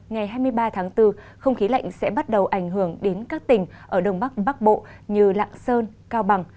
ngày hai mươi ba tháng bốn không khí lạnh sẽ bắt đầu ảnh hưởng đến các tỉnh ở đông bắc bắc bộ như lạng sơn cao bằng